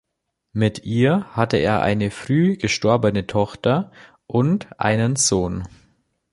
Mit ihr hatte er eine früh gestorbene Tochter und einen Sohn.